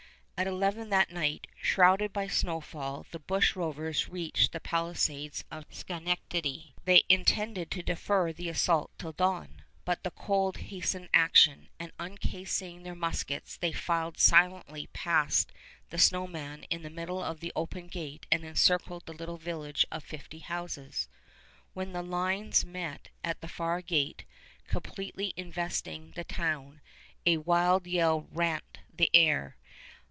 At eleven that night, shrouded by the snowfall, the bushrovers reached the palisades of Schenectady. They had intended to defer the assault till dawn, but the cold hastened action, and, uncasing their muskets, they filed silently past the snow man in the middle of the open gate and encircled the little village of fifty houses. When the lines met at the far gate, completely investing the town, a wild yell rent the air!